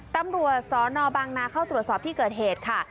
ตำรวจสนบางนาเข้าตรวจสอบที่เกิดเหตุค่ะ